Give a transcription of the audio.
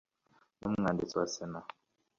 n Umwanditsi wa Sena